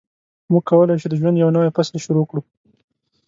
موږ کولای شو د ژوند یو نوی فصل شروع کړو.